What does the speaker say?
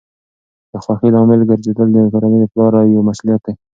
د خوښۍ لامل ګرځیدل د کورنۍ د پلار یوه مسؤلیت ده.